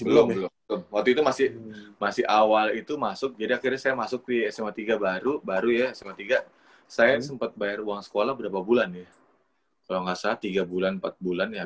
belum belum waktu itu masih masih awal itu masuk jadi akhirnya saya masuk di sma tiga baru baru ya sma tiga saya sempat bayar uang sekolah berapa bulan ya kalau nggak salah tiga bulan empat bulan ya